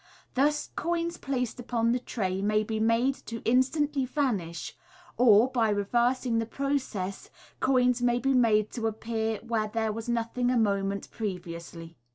Thus coins placed upon the tray may be made to instantly vanish, or, by reversing the pro cess, coins may be made to appear where there was nothing a moment previously.